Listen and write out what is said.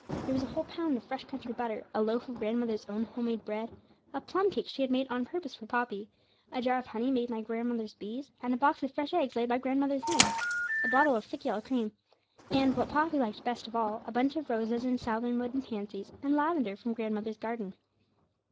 There was a whole pound of fresh country butter, a loaf of grandmother's own home made bread, a plum cake she had made on purpose for Poppy, a jar of honey made by grandmother's bees, and a box of fresh eggs laid by grandmother's hens, a bottle of thick yellow cream, and, what Poppy liked best of all, a bunch of roses, and southernwood and pansies, and lavender from grandmother's garden.